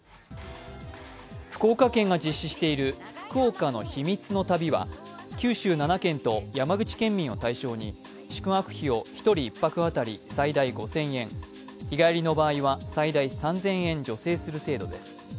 福岡県で実施している福岡の避密の旅は九州７県と山口県民を対象に宿泊費を１人１泊当たり最大５０００円、日帰りの場合は最大３０００円助成する制度です。